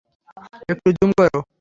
একটু জুম করো।